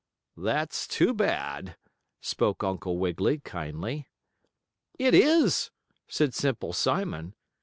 "That's too bad," spoke Uncle Wiggily, kindly. "It is," said Simple Simon.